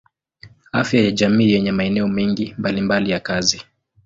Afya ya jamii yenye maeneo mengi mbalimbali ya kazi.